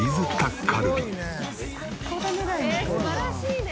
素晴らしいね